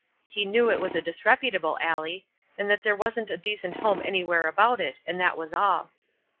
He knew it was a disreputable alley, and that there wasn't a decent home anywhere about it, and that was all.